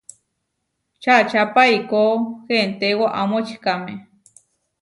Čačápa eikó henté waʼa močikáme.